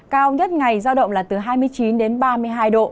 cao nhất ngày giao động là từ hai mươi chín đến ba mươi hai độ